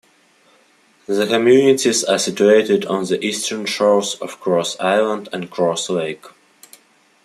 The communities are situated on the eastern shores of Cross Island and Cross Lake.